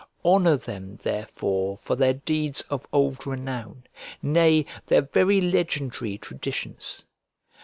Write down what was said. Honour them therefore for their deeds of old renown, nay, their very legendary traditions.